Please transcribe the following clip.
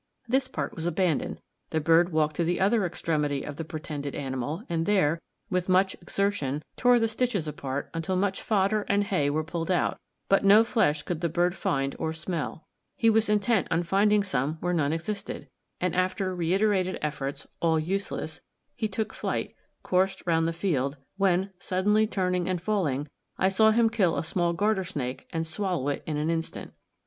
This part was abandoned; the bird walked to the other extremity of the pretended animal, and there, with much exertion, tore the stitches apart, until much fodder and hay were pulled out; but no flesh could the bird find or smell; he was intent on finding some where none existed, and, after reiterated efforts, all useless, he took flight, coursed round the field, when, suddenly turning and falling, I saw him kill a small garter snake and swallow it in an instant.